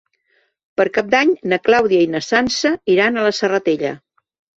Per Cap d'Any na Clàudia i na Sança iran a la Serratella.